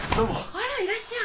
あらいらっしゃい。